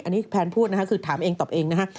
อันนี้แพนพูดนะคะคือถามเองตอบเองนะฮะ